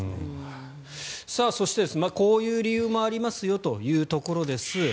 そして、こういう理由もありますよというところです。